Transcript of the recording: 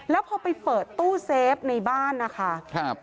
แล้วพอไปเปิดตู้เซฟในบ้านนะคะ